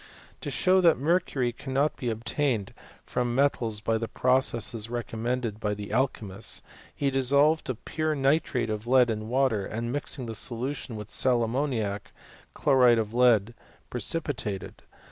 »> To show that mercury cannot be obtained from me* tals by the processes recommended by the alch3naiist4 he dissolved pure nitrate of lead in water, and, mixiii|^ the solution with sal ammoniac, chloride of lead precs^ pitated.